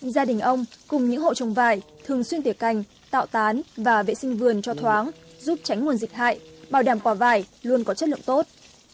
gia đình ông cùng những hộ trồng vải thường xuyên tiệc cành tạo tán và vệ sinh vườn cho thoáng giúp tránh nguồn dịch hại bảo đảm quả vải luôn có chất lượng tốt